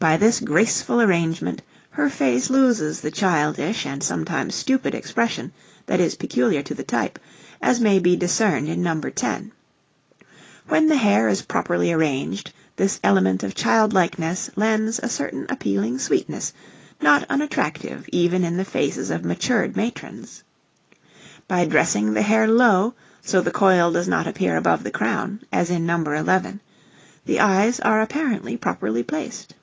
By this graceful arrangement her face loses the childish and sometimes stupid expression that is peculiar to the type, as may be discerned in No. 10. When the hair is properly arranged this element of childlikeness lends a certain appealing sweetness not unattractive even in the faces of matured matrons. By dressing the hair low so the coil does not appear above the crown, as in No. 11, the eyes are apparently properly placed.